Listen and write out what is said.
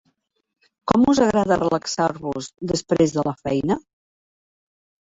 Com us agrada relaxar-vos després de la feina?